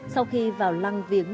sau khi vào lăng viếng